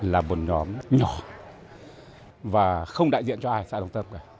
là một nhóm nhỏ và không đại diện cho ai xã đồng tâm